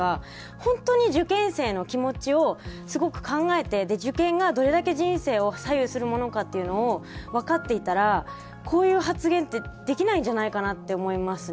本当に、受験生の気持ちを考えて受験がどれだけ人生を左右するものかというのを分かっていたらこういう発言はできないんじゃないかなと思いますね。